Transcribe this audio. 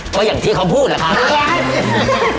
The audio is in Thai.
ก็อย่างที่เค้าพูดล่ะครับ